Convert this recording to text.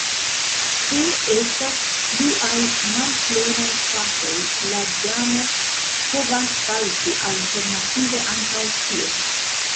Se estas pluaj malplenaj fakoj, la damo povas salti alternative ankaŭ tien.